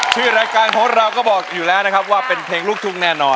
ชื่อรายการของเราก็บอกอยู่แล้วนะครับว่าเป็นเพลงลูกทุ่งแน่นอน